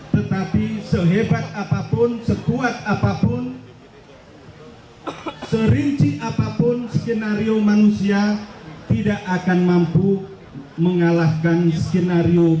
tetapi sehebat apapun sekuat apapun serinci apapun skenario manusia tidak akan mampu mengalahkan skenario